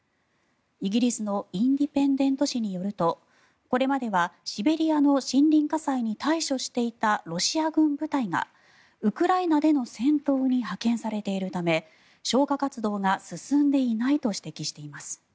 イギリスのインディペンデント紙によるとこれまではシベリアの森林火災に対処していたロシア軍部隊がウクライナでの戦闘に派遣されているため消火活動が進んでいないと指摘しています。